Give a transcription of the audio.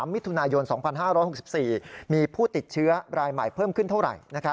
มิถุนายน๒๕๖๔มีผู้ติดเชื้อรายใหม่เพิ่มขึ้นเท่าไหร่